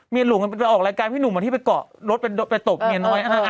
เมียหลวงกันไปออกรายการพี่หนูมาที่ไปเกาะรถไปไปตบเมียน้อยเออเออเออ